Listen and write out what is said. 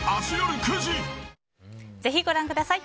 ぜひ、ご覧ください。